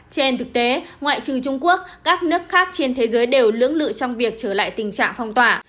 trên thực tế ngoại trừ trung quốc các nước khác trên thế giới đều lưỡng lự trong việc trở lại tình trạng phong tỏa